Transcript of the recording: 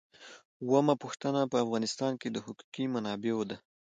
اوومه پوښتنه په افغانستان کې د حقوقي منابعو ده.